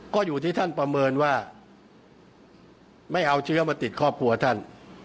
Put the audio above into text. ก็อยู่ที่ท่านประเมินว่าไม่เอาเชื้อมาติดครอบครัวท่าน